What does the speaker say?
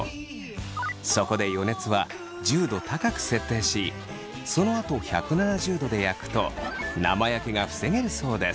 そこで予熱は１０度高く設定しそのあと１７０度で焼くと生焼けが防げるそうです。